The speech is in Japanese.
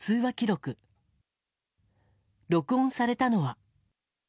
録音されたのは。